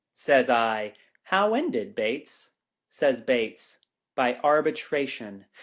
Says I, "How ended, Bates?" Says Bates, "By arbitration.